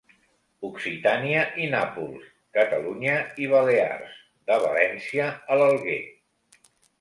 Occitània i Nàpols, Catalunya i Balears, de València a l’Alguer.